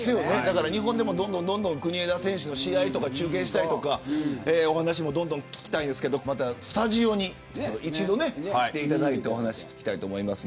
日本でも、どんどん国枝選手の試合とか中継したりお話もどんどん聞きたいんですけどまた、スタジオに一度来ていただいてお話聞きたいと思います。